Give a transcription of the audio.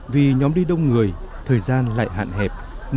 vì nhóm đi đông người thời gian lại hạn hẹp